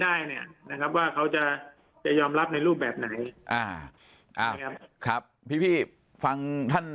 ได้เนี่ยนะครับว่าเขาจะยอมรับในรูปแบบไหนครับพี่ฟังท่าน